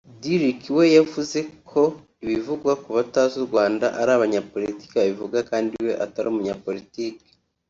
Dirk we yavuze ko ibivugwa ku batazi u Rwanda ari abanyapolitiki babivuga kandi we Atari umunyapolitiki